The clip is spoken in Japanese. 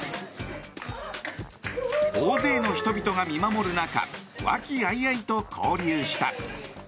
大勢の人々が見守る中和気あいあいと交流した。